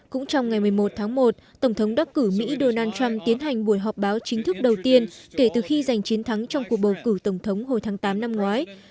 cũng trong ngày một mươi một tháng một tổng thống đắc cử mỹ donald trump tiến hành buổi họp báo chính thức đầu tiên kể từ khi giành chiến thắng trong cuộc bầu cử tổng thống hồi tháng tám năm ngoái